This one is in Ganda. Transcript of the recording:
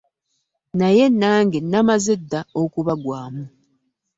Naye nange namaze dda okubagwamu.